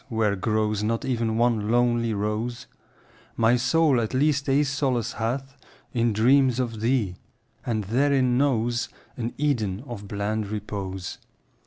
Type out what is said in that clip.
where grows Not even one lonely rose)— My soul at least a solace hath In dreams of thee, and therein knows An Eden of bland repose.